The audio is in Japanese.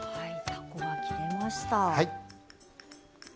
たこが切れました。